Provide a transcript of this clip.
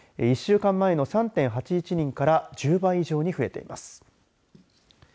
１週間前の３．８１人から１０倍以上に増えています。